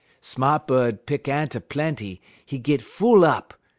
_' "Sma't bud pick ant plenty; 'e git full up.